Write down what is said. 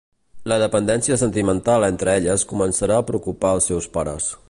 La dependència sentimental entre elles començarà a preocupar els seus pares.